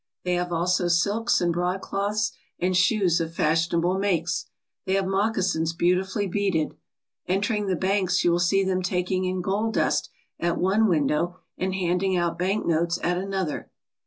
They have also silks and broadcloths and shoes of fashionable makes. They have moccasins beautifully beaded. Entering the banks you will see them taking in gold dust at one window and handing out bank notes at another.